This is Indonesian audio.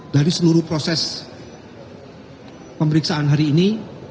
dari seluruh proses pemeriksaan hari ini